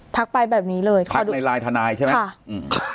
ไปแบบนี้เลยค่ะทักในไลน์ทนายใช่ไหมค่ะอืม